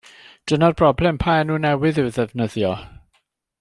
Dyna'r broblem, pa enw newydd i'w ddefnyddio?